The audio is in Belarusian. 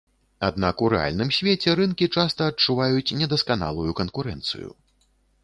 Аднак у рэальным свеце, рынкі часта адчуваюць недасканалую канкурэнцыю.